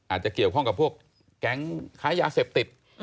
อาจจะเกี่ยวข้องกับพวกแก๊งค้ายาเสพติด